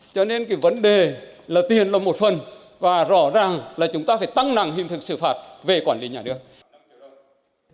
cho nên cái vấn đề là tiền là một phần và rõ ràng là chúng ta phải tăng nặng hình thực sự phạt về quản lý nhà nước